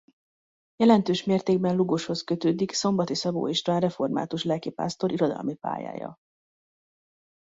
Jelentős mértékben Lugoshoz kötődik Szombati Szabó István református lelkipásztor irodalmi pályája.